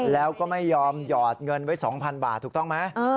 แล้วก็ไม่ยอมหยอดเงินไว้๒๐๐บาทถูกต้องไหม